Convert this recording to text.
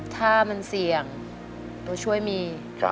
ถ้ามันเสี่ยงตัวช่วยมี